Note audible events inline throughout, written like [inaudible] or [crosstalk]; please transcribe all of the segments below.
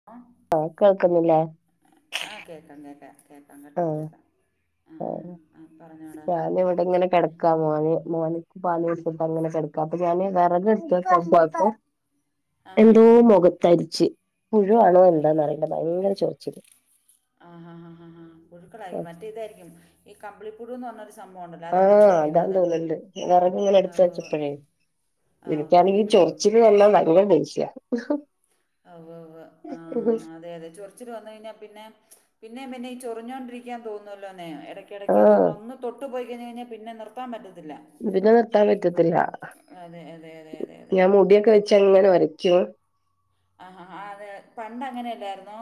[inaudible] കേക്കാ ഒക്കുന്നില്ലേ ആഹ് കേക്കാം കേക്കാം കേക്കാം കേട്ടോ ആഹ് കേക്കാം ആഹ് ഞാന് ഇവിടെങ്ങനെ എന്നെ കെടക്കാ മോന് മോന് പാല് കൊട്ത്തിട്ടങ്ങനെ കെടക്ക അപ്പം ഞാന് വെറക് എട്ത്ത് വെക്കാൻ പോയപ്പോ ആ ഹാ എന്തോ ഹാ മൊഖത്തരിച്ച് പുഴു ആണോ എന്താന്നാറിയില്ല ഭയങ്കര ചൊറിച്ചില് ആഹ് ഹാ ഹാ ഹാ ഹാ പുഴുക്കളായിരിക്കും മറ്റേ ഇതായിരിക്കും ഈ കമ്പിളിപ്പുഴു എന്ന് പർഞ്ഞൊരു ആഹ് അതാന്ന് തോന്ന്ണ്ട് വെറക്ങ്ങനെ ആ എട്ത്ത് ഉവ്വ് ഉവ്വ്. വെച്ചപ്പഴേ ആ ഉവ്വ് ഇനിക്കാണെങ്കി ഉവ്വ് ഉവ്വ് ഉവ്വ്. ചൊറിച്ചില് വന്നാ ഭയങ്കര ദേഷ്യാ അവ്വ് അവ്വ് ആഹ് അതെ അതെ ചൊ ർച്ചില് വന്ന് കഴിഞ്ഞാ പിന്നെ പിന്നേം പിന്നേം ഈ ചൊറിഞ്ഞോണ്ടിരിക്കാൻ തോന്നല്ലോന്നേ എടയ്ക്കിടയ്ക്ക് ആഹ് നമ്മളൊന്ന് തൊട്ട് പോയി കഴിഞ്ഞഴിഞ്ഞാ പിന്നെ പിന്നെ നിർത്താൻ പറ്റത്തില്ല പിന്നെ നിർത്താൻ പറ്റത്തില്ല അതെ അതെ അതെ അതെ അതെ ഞാൻ മുടിയൊക്കെ വെച്ചങ്ങനെ ഒരക്കും ആഹ് ഹാ ഹാ അതെ പണ്ട് അങ്ങനെല്ലായ്രുന്നോ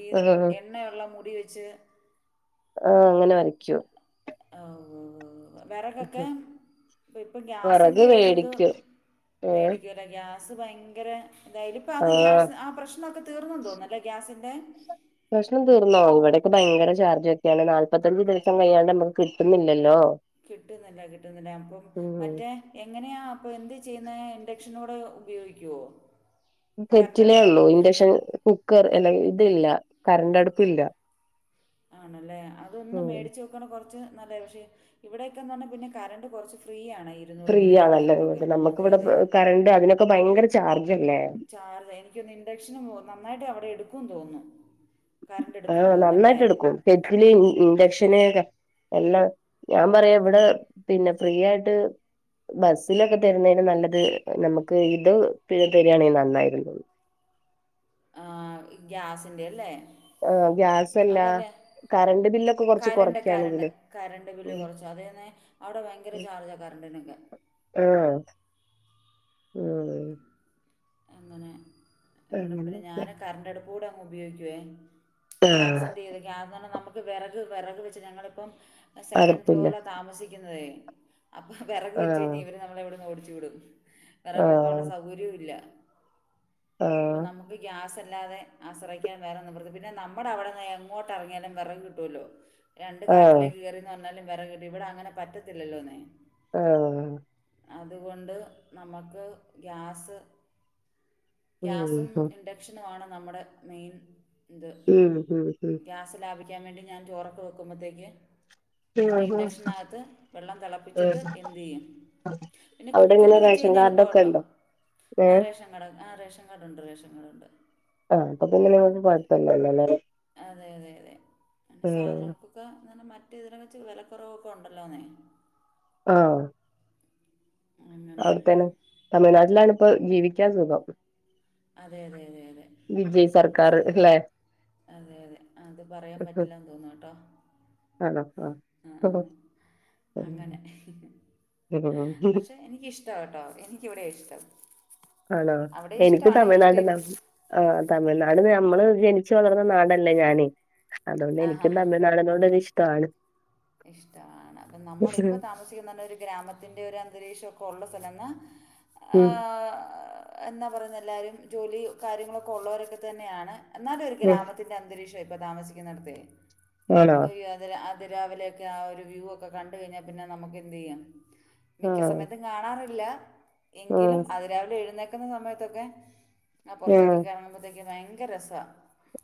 ഈ ആഹ് എണ്ണയുള്ള മുടി വെച്ച് ആഹ് അങ്ങനൊരയ്ക്കും ആഹ് ഉവ്വ് ഉവ്വ് ഉവ്വ് വെറകൊക്കെ ഇപ്പം വിറക് ഗ്യാസിൻ്റെ ഒര്ത് മേടിക്കും ഏഹ് മേടിക്ക ഗ്യാസ് ഭയങ്കര എന്തായാലും ഇപ്പ അത് ആഹ് ഗ്യാസ് ആ പ്രശ്നൊക്കെ തീർന്നെന്നു തോന്ന്ന്നു അല്ലേ ഗ്യാസിന്റെ പ്രശ്നം തീർന്നോ ഇവിടൊക്കെ ഭയങ്കര ചാർജൊക്കെയാണ് നാല്പത്തഞ്ച് ദിവസം കഴിയ്യാണ്ട നമക്ക് കിട്ടുന്നില്ലല്ലോ കിട്ടുന്നില്ല കിട്ടുന്നില്ല അപ്പം ഉം മറ്റേ എങ്ങനെയാ പ്പൊ എന്ത്‌ ചെയ്യ്ന്ന ഇൻഡക്ഷനോടെ ഉപയോഗിക്കോ കെറ്റിലേ ഒള്ളു, ഇൻഡക്ഷൻ കുക്കർ അല്ല ഇതില്ല കറണ്ടടുപ്പില്ല. ആണല്ലെ അതൊന്ന് ഉം മേടിച്ചോ ക്കണ് കൊറച്ച് നല്ലത്. പക്ഷെ ഇവിടൊക്കെ എന്ന് പർഞ്ഞാ പിന്നെ കരണ്ട് കൊർച്ച് ഫ്രീ ആണെ ഫ്രീ ആണല്ലേ ഇങ്ങക്ക്. നമ്മക്ക് ഇവടെ കറണ്ട് അതിനൊക്കെ ഭയങ്കര ചാർജല്ലേ. ചാർജെ, എനിക്കോന്നു ഇൻഡക്ഷനും നന്നായിട്ട് അവിടെ എടുക്കൂം തോന്ന്ന്നു. കറണ്ടെടുക്കും ആഹ് തോന്നുന്നു അല്ലേ? നന്നായിട്ട് എടുക്കും കെറ്റില്, ഇൻഡക്ഷന് ര എല്ലാം, ഞാൻ പറയ് ഇവടെ പിന്നെ ഫ്രീ ആയിട്ട് ബസ്സിലൊക്കെ തെരുന്നേലും നല്ലത് നമ്മക്ക് ഇത് പിന്നെ തെര് ആണെ നന്നായിരുന്നു. ആ, ഗ്യാസിന്റെ അല്ലേ? ആ, ഗ്യാസല്ലാ. കരണ്ട്, കരണ്ട്, കരണ്ട് ബില്ല് ഉം കൊറച്ചു അതെന്നെ അവിടെ ഭ യങ്കര ചാർജാ കറണ്ടിനൊക്കെ. ആണോ? ഉം. അങ്ങനെ, ഇവടെ പിന്നെ അങ്ങനെയൊക്കെ ഞാന് കറണ്ട്ടുപ്പൂടെ അങ്ങ് ഉപയോഗിക്കുവേ. ആഹ് ഗ്യാസിന്റെത് ഗ്യാസ് പർഞ്ഞാ നമ്മക്ക് വെറക്, വെറക് വെച്ച് ഞങ്ങളിപ്പം സെക്കൻഡ് അറപ്പില്ല ഫ്ലോറിലാണ് താമസിക്കുന്നുന്നതെ, അപ്പം വിറക് വെച്ച് ആഹ് കഴിഞ്ഞാൽ ഇവര് നമ്മളെ ഇവിടെ നിന്ന് ഓടിച്ചു വിടും. വിറക് വെക്കാനുള്ള ആഹ് സൗകര്യവുല്ല. അപ്പൊ ആഹ് നമു ക്ക് ഗ്യാസില്ലാതെ ആശ്രയിക്കാൻ വേറെ നിവർത്തി, പിന്നെ നമ്മുടെ അവിടെന്ന് എങ്ങോട്ട് എറങ്ങിയാലും വിറക് കിട്ടൂല്ലോ? രണ്ട് ആഹ് കാട്ടിലേക്ക് കയറിന്ന് പറഞ്ഞാലും വിറക് കിട്ടും. ഇവിടെ അങ്ങനെ പറ്റത്തില്ലല്ലോന്നേ. ആഹ്. അതുകൊണ്ട് നമുക്ക് ഗ്യാസ് ഉം ഗ്യാസും ഉം ഇൻഡക്ഷനുമാണ് നമ്മുടെ മെയിൻ ഇത് ഉം ഉം ഗ്യാ സ് ലാഭിക്കാൻ വേണ്ടി ഞാൻ ചോറൊക്കെ വയ്ക്കുമ്പത്തേക്ക് മറ്റേ ഉം ഇൻഡക്ഷനകത്ത് വെള്ളം തിളപ്പിച്ചിട്ട് എന്ത്യ്യും പിന്നെ അവിടെ എങ്ങനെ കുക്കറിൽ വെച്ച് റേഷൻ കഴിഞ്ഞാ എളുപ്പ കാർഡൊക്കെ കേട്ടോ, ഉണ്ടോ ആഹ് ഏഹ് റേഷൻ കട ആഹ് റേഷൻകാർഡ് ഉണ്ട്, റേഷൻകാർഡ് ഉണ്ട്. ആഹ്, അപ്പൊ പിന്നെനിങ്ങൾക്ക് കൊഴപ്പ ഇല്ലാല്ലലെ. അതെ, അതെ, അതെ പിന്നെ സാധനങ്ങക്ക് ഇപ്പൊ ഇന്ന്ർഞ്ഞ മറ്റ് ഇതിനെ വെച്ച് വെല കൊറവൊക്കെ ഉണ്ടല്ലോന്നേ. ആഹ് അങ്ങനെ അവ്ടെ തന്നെ തമിഴ്നാട്ടിലാണിപ്പോ ജീവിക്കാൻ സുഖം. അതെ, അതെ, അതെ, അതെ. വിജയ് സർക്കാർ അല്ലെ [unintelligible] അതെ, അതെ, അത് പറയാൻ പറ്റില്ലാന്ന് തോന്നൂട്ടോ. ആണോ ആഹ്, ആഹ് അങ്ങനെ ഹ്, ഹ്, ഹെ ആഹ് പക്ഷെ എനിക്കിഷ്ട കേട്ടോ എനിക്കിവിടെയാ ഇഷ്ടം. ആണോ? അവിടെ എനിക്ക് ഇഷ്ടമാണ് ഇഷ്ടം തമിഴ്നാട്‌ ലൗലി. ആഹ്, തമിഴ്നാട് നമ്മള് ജനിച്ചു വളർന്ന നാടല്ലേ ഞാന്. അതോണ്ട് ആ ഹാ എനിക്കും തമിഴ്നാട്നോട്‌ ഒര് ഇഷ്ടാണ്. ഇഷ്ടാണ്. അപ്പ നമ്മള് ഇപ്പ താമസിക്കുന്ന പറഞ്ഞ ഒരു ഗ്രാമ ത്തിൻ്റെ ഒരു അന്തരീക്ഷമൊക്കെ ഉള്ള സ്ഥലെന്ന ഉം ആഹ് എന്നാ പറയുന്നെ എല്ലാവരും ജോലി കാര്യങ്ങളൊക്കെ ഉള്ളവരൊക്കെ തന്നെയാണ്, എന്നാലും ഒരു ഉം ഗ്രാമ ത്തിന്റെ അന്തരീക്ഷ ഇപ്പൊ താമസിക്കുന്നിടത്തെ, ആണോ അയ്യോ അതില് ആ രാവിലെയൊക്കെ ആ ഒരു വ്യൂ ഒക്കെ കണ്ട് കഴിഞ്ഞാൽ പിന്നെ നമുക്ക് എന്ത്‌ചെയ്യും മിക്ക ആഹ് സമയത്തും കാണാറില്ല ഉം എങ്കിലും അതിരാവിലെ എഴുന്നേക്കുന്ന സമയത്തൊക്കെ ആഹ് ഉം പുറത്തേക്കേക്ക്റങ്ങുമ്പോഴുത്തക്ക് ഭയങ്കര രസ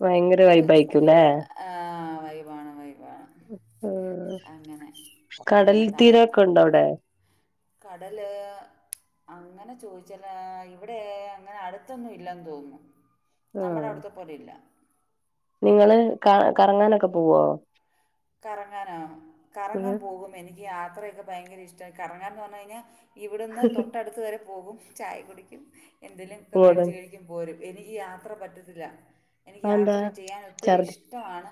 ഭയങ്കര വൈബയിരിക്കുല്ലേ? ആഹ് വൈബാണ് വൈബാണ് ഉം അങ്ങനെ കടൽത്തീരൊക്കെ ഉണ്ടോ അവിടെ കടല് അങ്ങനെ ചോയിച്ചല് ആഹ് ഇവിടെ ഏഹ് അങ്ങനെ അടുത്തൊന്നും ഇല്ലെന്ന് തോന്നുന്നു നമ്മടെ ആഹ് അവിടുത്തെ പോലേല്ല നിങ്ങള് ക കറങ്ങാനൊക്കെ പോവോ? കറങ്ങാനോ ഉം കറങ്ങാൻ പോകും എനിക്ക് യാത്രയൊക്കെ ഭയങ്കര ഇഷ്ട കറങ്ങാൻന്ന് പറഞ്ഞഴിഞ്ഞ ഇവിടുന്ന് തൊട്ടടുത്ത് വരെ പോകും ചായ കുടിക്കും എന്തെലുക്കെ ഇങ്ങോട്ട് മേടിച്ച് കഴി പോരും എനിക്ക് യാത്ര പറ്റത്തില്ല എനിക്ക് അതെന്താ യാത്ര ചെയ്യാൻ ഒത്തിരി ഛർദി ഇഷ് ഇഷ്ടണ്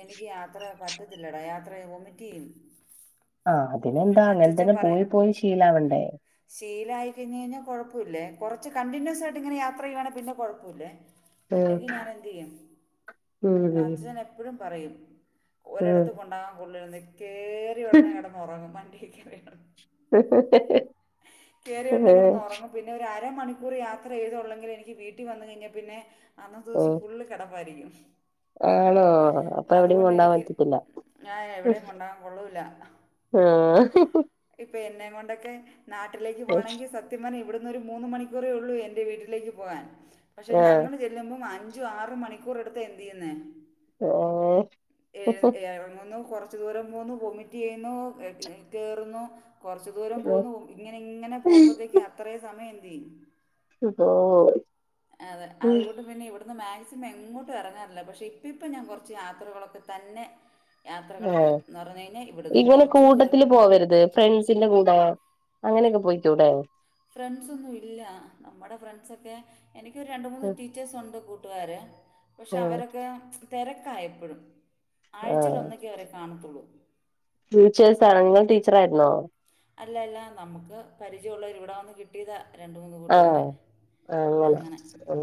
എനിക്ക് യാത്ര പറ്റത്തില്ലടാ യാത്ര വോമിറ്റ് ചെയ്യും ആഹ് അതിനെന്താ അങ്ങനെതന്നെ പോയി പോയി ശീലവണ്ടേ ശീലായി കഴിഞ്കഴിഞ്ഞാ കുഴപ്പല്ലേ കുറച്ച് കണ്ടിന്യൂസ് ആയിട്ട് ഇങ്ങനെ യാത്ര ചെയ്യുവാണെപിന്നെ കുഴപ്പല്ലേ ഉം ഇല്ലെങ്കിൽ ഞാൻ എന്ത് ചെയ്യും ഉം അച്ചൻ എപ്പഴും പറയും ഉം ഒരിടത്ത് കൊണ്ടാൻ കൊള്ളൂല്ലന്ന് കേറി ഉടനെ കിടന്നന്നുറങ്ങും വണ്ടികേറിയ കേറിയ ഉടനെ കിടന്ന് ഉം ഉറങ്ങും പിന്നെ ഒരു അരമണിക്കൂർ യാത്ര ചെയ്തള്ളെങ്കിലും എനിക്ക് വീട്ടിൽ വന്ന് കഴിഞ്ഞാൽ പിന്നെ അന്നത്തെസം ഫുള്ള് കെടപ്പാരിക്കും ആഹ്ണോ അപ്പൊ എവിടെ കൊണ്ടാവാ എനിക്ക് പറ്റത്തി ക്കില്ല ഞാൻ എവിടെയും കൊണ്ടാകാൻ കൊള്ളൂല ആഹ് ഇപ്പെ എന്നെക്കൊണ്ടൊക്കെ നാട്ടിലേക്ക് പോവാണെങ്കി സ ത്യം പറഞ്ഞാ ഇവിടുന്നൊരു മൂന്ന് മണിക്കൂറേ ഉള്ളൂ എന്റെ വീട്ടിലേക്ക് പോവാൻ പക്ഷെ ആഹ് ഞങ്ങള് ചെ ല്ലുമ്പും അഞ്ചു ആറു മണിക്കൂറെടുത്താ എന്ത്‌ ചെയ്യുന്നേ ഓഹ് ഏഹ് എറങ്ങുന്നു കൊറച്ചു ദൂരം പോന്നു വൊമിറ്റ് ചെയ്യുന്നു കേറുന്നു കൊറച്ചു ദൂരം പോന്നു ഒ ഇങ്ങനെ ഇങ്ങനെ പോവുമ്പോത്തേക്ക് അത്രയ് സമയം എന്ത് ചെയ്യും ഓ അതെ അതുകൊണ്ട് പിന്നെ ഇവിട ന്ന് മാക്സിമം എങ്ങോട്ടും എറങ്ങാറില്ല പക്ഷേ ഇപ്പം ഇപ്പം ഞാൻ കൊറച്ച് യാത്രകളൊക്കെ തന്നെ യാത്രകളൊക്കെ ആഹ് എന്ന് പറഞ്ഞു കഴിഞ്ഞാ ഇവിടുന്ന് ഇങ്ങനെ കൊറച്ച് ദൂരം കൂട്ടത്തില് പോവരുത് ഫ്രണ്ട്സിന്റെ കൂടെ അങ്ങനെയൊക്കെ പൊയ്ക്കൂടെ ഫ്രണ്ട്സൊന്നു ഇല്ല നമ്മുടെ ഫ്രണ്ട്സൊക്കെ എനിക്കൊരു രണ്ട് മൂന്ന് ടീച്ചേഴ്സ് ഒണ്ട് കൂ കൂട്ടുകാര് പക്ഷെ ആഹ് അവരൊക്കെ തെരക്കായെപ്പഴും ആഹ് ആഴ്ചയിലൊന്നക്കേ ഇവരെ കാണത്തുള്ളൂ ടീച്ചേഴ്സ് ആണ് നിങ്ങൾ ടീച്ചർ ആയിരുന്നോ അല്ലല്ല നമുക്ക് പരിചയ ഒള്ളവര് ഇവിടെ വന്ന് കി ട്ടീതാ രണ്ട് മൂന്ന് ആഹ് കൂട്ടുകാരെ ആങ്ങനെ അങ്ങനെ ഉം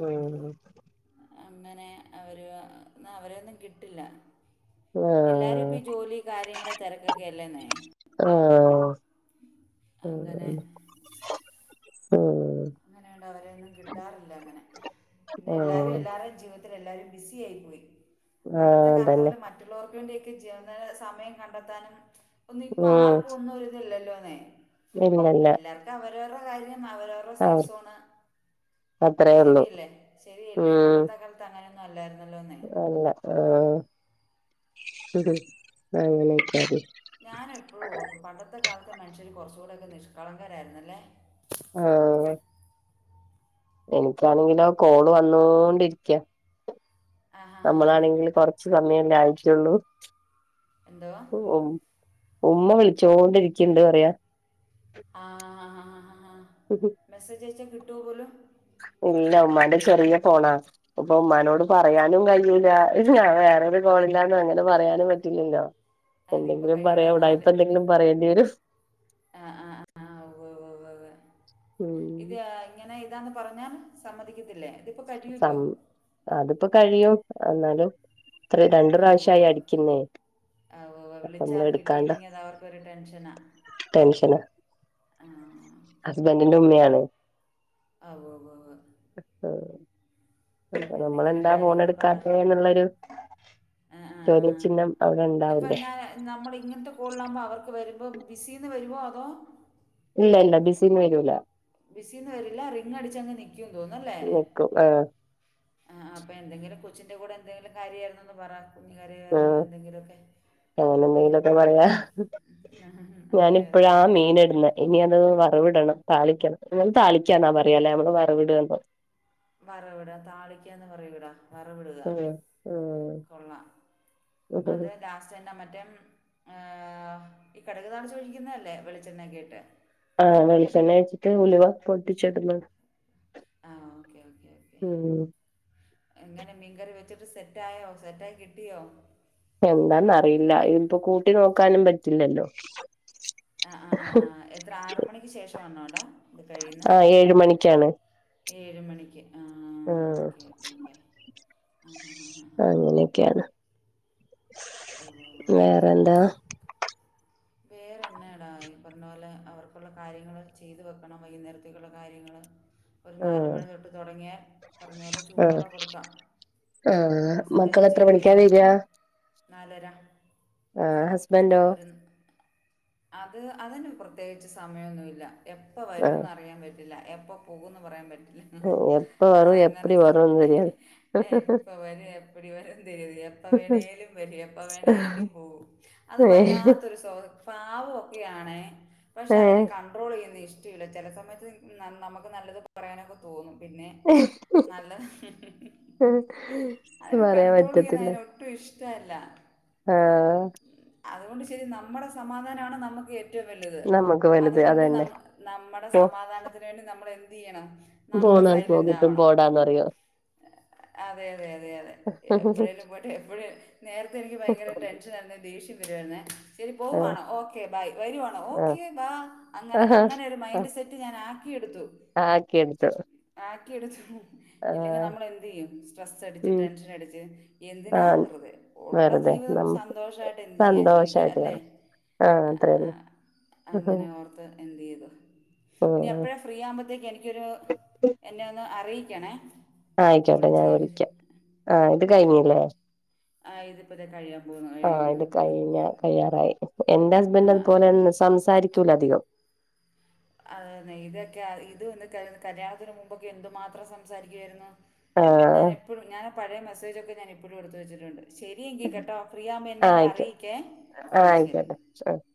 ഉം അങ്ങനെ അവര് എന്നാ അവരെയൊന്നും കിട്ടില്ല എല്ലാരും ഇപ്പ ആഹ് ഈ ജോലി കാര്യങ്ങള് തെരക്കൊക്കെ അല്ലേന്നേ ആഹ് അങ്ങനെ ഉം ഉം അങ്ങനെയാണ്ട് അവരെയൊന്നും കിട്ടാറില്ല അങ്ങനെ പിന്നെ എല്ലാരും ആഹ് എല്ലാരെയും ജീവിതത്തിൽ എല്ലാരും ബിസി ആയി പോയി പണ്ടത്തെ ആഹ് കാലത്തെ തന്നെ പോലെ മറ്റുള്ളവർക്ക് വേണ്ടിയൊക്കെ [unintelligible] സമയം കണ്ടെത്താനും ഒന്നും ഇപ്പ ഉം ആർക്കും ഒന്നും ഒരിതല്ലല്ലോന്നേ ഇല്ലല്ല എല്ലാർക്കും അവരോരുടെ കാര്യം അവരോ [unintelligible] ആഹ് സെയ്‌ഫ് സോണ് അത്രേ ഉള്ളൂ ശരിയല്ലേ ശരിയല്ലേ ഉം പണ്ടത്തെ കാല ത്ത് അങ്ങനൊന്നും അല്ലായിരുന്നല്ലോന്നേ അല്ല ആഹ് അങ്ങനെയൊക്ക ഞാനെപ്പഴും ഓർക്കും പണ്ടത്തെ കാലത്തെ മനുഷ്യര് കൊറച്ചൂടൊക്കെ നിഷ്കളങ്കരായിരുന്നല്ലേ ആഹ് എനിക്കാണെങ്കിലോ കോള് വന്നോണ്ടിരിക്കാ ആ ഹാ ഹാ ഹാ നമ്മളാണെങ്കില് കൊർ ച്ച് സമയല്ലേ ആയിട്ട്ള്ളൂ. എന്തുവാ ഉ ഉം ഉമ്മ വിളിച്ചോണ്ടിരിക്ക്ണ്ട് പറയാ ആഹ് മെസ്സേജയച്ചാ [unintelligible] ഇല്ല ഉമ്മാന്റെ ചെറിയ ഫോണാ അപ്പൊ ഉമ്മാനോട് പറയാനും കഴിയൂല്ല. ഇത് ഞാൻ വേറൊരു കോളില്ലാന്ന് അങ്ങനെ പറയാനും പറ്റില്ലല്ലോ. അതിപ്പോൾ എന്തെങ്കിലും കഴിയട പറയാം നാല് ഉടായിപ്പെന്തെങ്കിലും പറയേണ്ടി വരും. ആ ആ ആ [unintelligible] ഉം ഇത് ഏഹ് ഇങ്ങനെ ഇതാന്ന് പറഞ്ഞാ സമ്മതിക്കത്തില്ലേ കഴിയുമല്ലോ സം അത്പ്പൊ കഴിയും എന്നാലും ത്രേ രണ്ടു പ്രാവശ്യായി അടിക്കുന്നേ അപ്പൊ വിളിച്ച നമ്മള് ആളെ എടുക്കാണ്ട കിട്ടിയില്ലെങ്കി അത് അവർക്കൊരു ടെൻഷനാ. ടെൻഷനാ ആഹ് ഹസ്ബന്റിന്റെ ഉമ്മിയാണ്. ആഹ് വ്വ് വ്വ് വ്വ് ആഹ് അപ്പൊ എന്തെങ്കിലും കാര്യങ്ങള് പറ എടുക്കാത്തെ എന്നുള്ളൊരു ആഹ് ആഹ് ആഹ് ചോദ്യചിഹ്നം അവിടെ ഇപ്പൊ ഉണ്ടാവൂലേ [unintelligible] നമ്മള് ഇങ്ങൻത്തെ കോൾലാമ്പം അവർക്ക് വരുമ്പം ബിസീന്ന് വരുവോ അതോ ഇല്ല ഇല്ല ബിസീന്ന് വരൂല. ബിസീന്ന് വരില്ല റിംഗ് അടിച്ചങ്ങ് നിക്കും തോന്നുവല്ലേ നിക്കും ആഹ് ആഹ് അപ്പൊ എന്തെങ്കിലും കൊച്ചിൻ്റെ കൂടെ എന്തെങ്കിലും കാര്യായ്രുന്നൊന്ന് പറ കുഞ്ഞു കരയുവായിര്ന്നു ആഹ് എന്തെങ്കിലൊക്കെ അങ്ങനെ എന്തെങ്കിലൊക്കെ പറയാ അതെ അതെ ഞാനിപ്പഴാ ആ അതെ മീന് ഇടുന്നെ ഇനി അത് വറവ്ടണം. താളിക്കണം നിങ്ങൾ താളിക്കന്നാ പറയാല്ലേ. മ്മള് വറവിടാന്ന് വറവ്ടാ താളിക്കന്ന് പറയൂടാ വറവിടുക ഉം ഉം കൊള്ളാം അത് ലാസ്റ്റ് റ്റെന്ന മറ്റേ ഈ കടക് താളിച്ചു ഒഴിക്കുന്നല്ലേ വെളിച്ചെണ്ണ ഒക്കിട്ട് ആഹ് വെളിച്ചെണ്ണ ഒഴിച്ചിട്ട് ഉലുവ പൊട്ടിച്ചിടുന്ന ആഹ് ഓക്കെ ഓക്കെ ഓക്കെ ഉം എങ്ങനെ മീൻകറി വെച്ചിട്ട് സെറ്റായോ സെറ്റായി കിട്ടിയോ? എന്താന്നറിയില്ല ഇൻപ്പം കൂട്ടി നോക്കാനും പറ്റില്ലല്ലോ. ആഹ് ആഹ് ആഹ് എത്ര ആറ് മണിക്ക് ശേഷം ആന്നോടാ ആഹ് ഏഴ് മണിക്കാണ്. ഏഴ് മണിക്ക് ആഹ് ഓക്കെ ഓക്കെ ഓക്കെ ആ ഹാ ഹാ ഹാ ഹാ അങ്ങിനൊക്കാണ് ഓ പിന്നെ വേറെന്താ? വേറെന്നാടാ ഈ പറഞ്ഞ പോലെ അവർക്കുള്ള കാര്യങ്ങള് ചെയ്തു വെക്കണം വൈകുന്നേരത്തേക്കുള്ള കാര്യങ്ങള് ഒരു നാല് ആഹ് മണി തൊട്ട് തൊടങ്ങിയാ പറഞ്ഞ പോലെ ആഹ് ചൂടോടെ കൊടുക്കാം ആഹ് ആ സമയത്ത് മക്കളെത്ര ചെയ്തു മണിക്കാ വെച്ചാൽ വരാ? നാലര ആഹ് ഹസ്ബൻ്റോ? ഒരു അത് അതിന് പ്രത്യേകിച്ച് സമയൊന്നുല്ല എപ്പ വരും ആഹ് ന്നറിയാൻ പ റ്റില്ല എപ്പൊ പോകുന്ന് പറയാൻ പറ്റില്ല [unintelligible] എപ്പ വരു എപ്പടി വരു [unintelligible] ഏ എപ്പ വരു എപ്പടി വരും ന്തരുത് എപ്പ വേണേലും വരും എപ്പ വേണേലും പോകും അത് വല്ലാത്തൊരു സൊ പാവൊക്കെയാണെ പക്ഷെ അതിനെ ഏഹ് കാണ്- ൺട്രോളെയ്യുന്നത് ഇഷ്ടയില്ല. ചെല സമയത്ത് ന നമുക്ക് നല്ലത് പറയാനൊക്കെ തോന്നും പിന്നെ നല്ല പറയാൻ പറ്റത്- [unintelligible] ഒട്ടും ഇഷ്ട അല്ല ആഹ് അതുകൊണ്ട് ശരി നമ്മുടെ സമാധാനാണ് നമുക്കേ റ്റവും വലുത് നമ്മക്ക് വലുത് അതുകൊണ്ട് അതന്നെ നമ നമ്മടെ പോ സമാധാനത്തിന് വേണ്ടി നമ്മളെന്തെയ്യണം നമ്മളും പോണോർക്ക് കിട്ടും സൈലന്റാവണം പോടാന്ന് പറയും അതെ അതെ അതെ അതെ എപ്പഴേലും പോട്ടെ എപ്പഴും നേരത്തെ എനിക്ക് ഭയങ്കര ടെൻഷനായിരുന്നു ദേഷ്യം വരുവായിരുന്നേ ശരി ആഹ് പോവാണോ ഓക്കെ ബൈ വരുവാണോ ആഹ് ഓക്കെ ബാ അങ്ങനെ അങ്ങനെ ഒരു മൈൻഡ് സെ- റ്റ് ഞാനാക്കിയെടുത്തു ആക്കിയെടുത്തു ആക്കിയെടുത്തു ഇല്ലെങ്കി നമ്മളെന്ത് ചെയ്യും സ്ട്രെസ്സടിച്ച് ഉം ടെൻഷനടിച്ച് എന്തിനാ ആഹ് വെറുതെ ഉള്ള വെറുതെ ജീവിതം നമുക്ക് സന്തോഷായിട്ടെന്തെയ്യാ ജീവിക്കാ സന്തോഷായിട്ട് ല്ലെ വേണം ആഹ് ആ ആ അത്രേള്ളൂ അങ്ങനെ ഓർത്ത് എന്ത് ചെയ്തു ആഹ് ഇനി ആ എപ്പോഴാണ് ഫ്രീ ആവുമ്പത്തേക്ക് എനിക്കൊരു എന്നെ ഒന്ന് അറിയിക്കണേ ഇപ്പോൾ ആയിക്കോട്ടെ വിളിച്ച് ഞാൻ കഴിഞ്ഞിട്ട് വിളിക്കാം ആഹ് ഇത് കഴിഞ്ഞിലേ ആഹ് ഇതിപ്പതെ കഴിയാ പോന്നു കഴിയ്യുമ്പോന്നു വിളി കയ്യാറായി എന്റെ ഹസ്ബന്റു ആ അതുപോലെന്നെ സംസാരിക്കൂല ധികം അതെയതെ ഇതൊക്കെ ഇത് [unintelligible] കല്യാണത്തിന് മുമ്പൊക്കെ എന്തു മാത്രം സംസാരിക്കു ആരുന്നു ആഹ് ഞാനെപ്പഴും ഞാനപഴേ മെസേജൊക്കെ ഞാനിപ്പഴും എടുത്ത് വച്ചിട്ടുണ്ട്. ശരിയെങ്കി കേട്ടോ ഫ്രീയാവുമ്പോ ആഹ് ആയിക്കോട്ടെ എന്നെയൊന്നറിയിക്കെ ആഹ് ശരി [unintelligible]